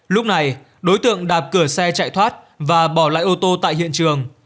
lúc này đối tượng đạp cửa xe chạy thoát và bỏ lại ô tô tại hiện trường